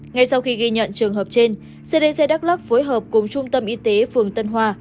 ngay sau khi ghi nhận trường hợp trên cdc đắk lắc phối hợp cùng trung tâm y tế phường tân hoa